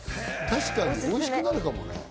確かに、おいしくなるかもね。